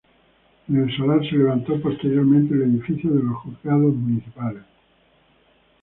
En el solar se levantó posteriormente el edificio de los juzgados municipales.